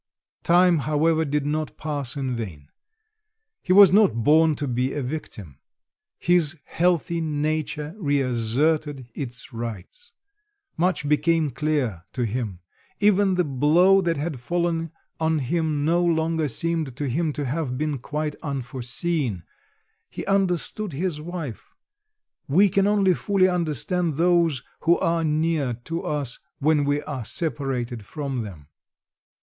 Time, however, did not pass in vain. He was not born to be a victim; his healthy nature reasserted its rights. Much became clear to him; even the blow that had fallen on him no longer seemed to him to have been quite unforeseen; he understood his wife, we can only fully understand those who are near to us, when we are separated from them.